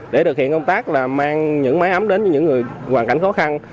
để thực hiện công tác mang những máy ấm đến những người hoàn cảnh khó khăn